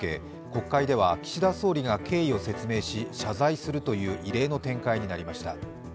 国会では岸田総理が経緯を説明し、謝罪するという異例の展開となりました。